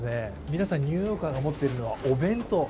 皆さん、ニューヨーカーが持っているのはお弁当。